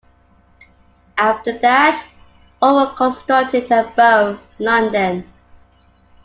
After that, all were constructed at Bow, London.